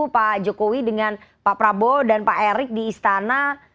pak jokowi dengan pak prabowo dan pak erik di istana